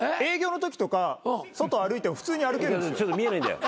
ちょっと見えないんだよ。